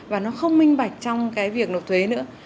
và nó không minh bạch trong cái việc nộp thuế nữa